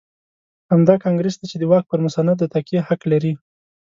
همدا کانګرېس دی چې د واک پر مسند د تکیې حق لري.